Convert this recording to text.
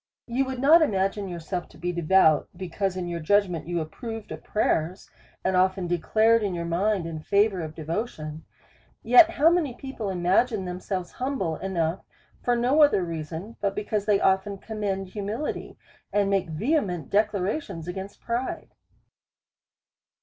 You would not imagine yourself to be devout, be cause in your judgment you approved of prayers, and often declared your mind in favour of devotion. Yet how many people imagine themselves humble enough for no other reason, but because they often commend humihty, and make vehement declarations against pride